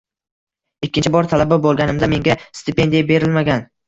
Ikkinchi bor talaba bo’lganimda, menga stipendiya berilmagan.